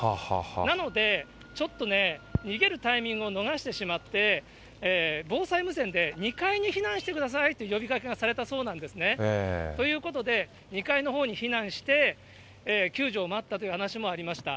なので、ちょっとね、逃げるタイミングを逃してしまって、防災無線で２階に避難してくださいという呼びかけがされたそうなんですね。ということで、２階のほうに避難して、救助を待ったという話もありました。